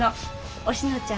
おしのちゃん